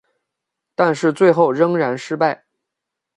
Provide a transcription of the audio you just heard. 但是最后仍然失败。